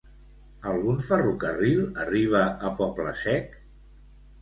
Algun ferrocarril arriba a Poble Sec?